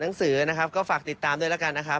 หนังสือนะครับก็ฝากติดตามด้วยแล้วกันนะครับ